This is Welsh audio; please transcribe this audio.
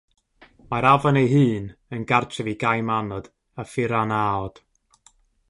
Mae'r afon ei hun yn gartref i gaimanod a phiranaod.